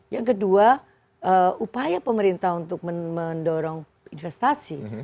yang kedua upaya pemerintah untuk mendorong investasi